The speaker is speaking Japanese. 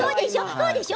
そうでしょ？